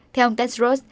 theo ông tedros